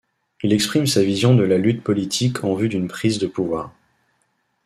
Il exprime sa vision de la lutte politique en vue d'une prise de pouvoir.